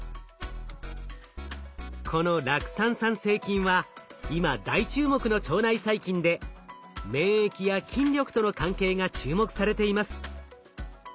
この酪酸産生菌は今大注目の腸内細菌で免疫や筋力との関係が注目されています。